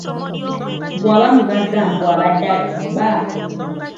Bwaba mugagga mbu abadde atubba.